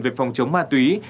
về phòng chống ma túy